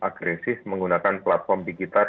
agresif menggunakan platform digital